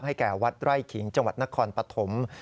แก่วัดไร่ขิงจังหวัดนครปฐม